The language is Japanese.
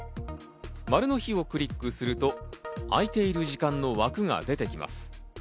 ○の日をクリックすると、空いている時間の枠が出てきます。